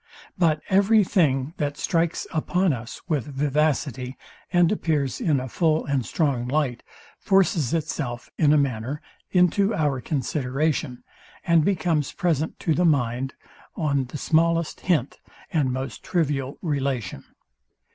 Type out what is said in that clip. But every thing, that strikes upon us with vivacity, and appears in a full and strong light, forces itself, in a manner, into our consideration, and becomes present to the mind on the smallest hint and most trivial relation.